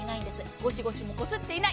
ゴシゴシもこすっていない。